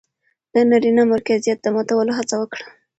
د نرينه مرکزيت د ماتولو هڅه وکړه